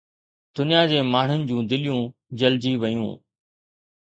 دنيا جي ماڻهن جون دليون جلجي ويون